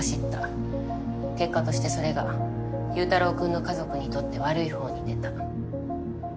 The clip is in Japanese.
結果としてそれが祐太郎くんの家族にとって悪いほうに出た。